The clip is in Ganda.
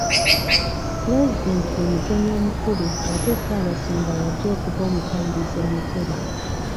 Pulezidenti ye mugenyi omukulu ate Ssaabasumba y'ajja okuba omutambizi omukulu.